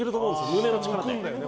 胸の力で。